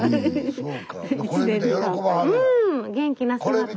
うん元気な姿を。